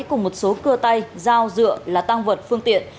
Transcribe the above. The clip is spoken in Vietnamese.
cùng một số cưa tay dao dựa là tăng vật phương tiện